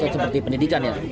seperti pendidikan ya